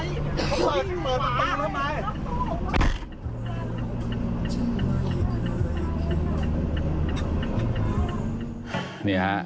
พี่มาใส่ลูกผมทำไม